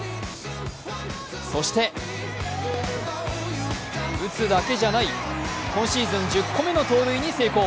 そして打つだけじゃない、今シーズン１０個目の盗塁に成功。